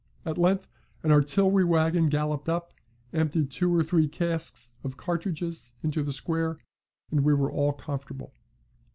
At length an artillery wagon galloped up, emptied two or three casks of cartridges into the square, and we were all comfortable.